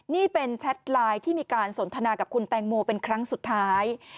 นี่เป็นแชทไลน์ที่มีการสนทนากับคุณแตงโมเป็นครั้งสุดท้าย